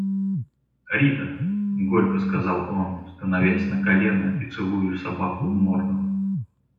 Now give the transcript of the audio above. – Рита! – горько сказал он, становясь на колено и целуя собаку в морду.